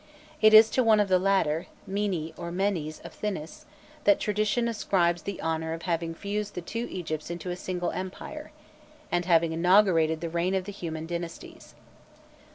It is to one of the latter, Mini or Menés of Thinis, that tradition ascribes the honour of having fused the two Egypts into a single empire, and of having inaugurated the reign of the human dynasties.